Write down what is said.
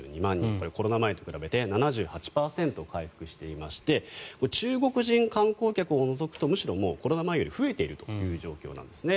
これはコロナ前と比べて７８％回復していまして中国人観光客を除くとむしろコロナ前より増えているという状況なんですね。